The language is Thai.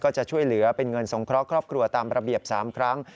จะช่วยเหลือเป็นเงินสงเคราะห์ครอบครัวตามระเบียบ๓ครั้ง